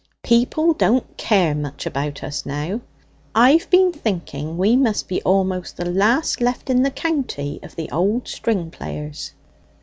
"People don't care much about us now! I've been thinking we must be almost the last left in the county of the old string players?